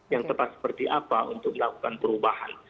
yang tepat seperti apa untuk melakukan perubahan